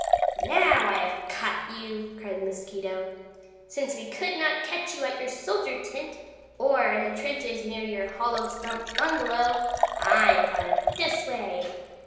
"Now I have caught you!" cried the mosquito. "Since we could not catch you at your soldier tent or in the trenches near your hollow stump bungalow, I thought of this way.